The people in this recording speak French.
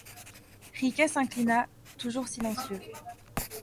Riquet s'inclina, toujours silencieux.